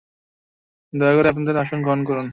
দয়া করে আপনাদের আসন গ্রহণ করুন।